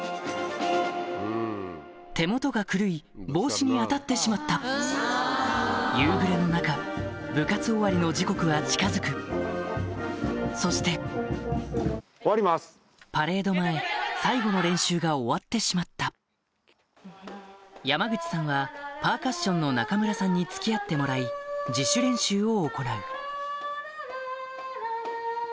手元が狂い帽子に当たってしまった夕暮れの中部活終わりの時刻は近づくそしてパレード前最後の練習が終わってしまった山口さんはパーカッションの中村さんに付き合ってもらい自主練習を行う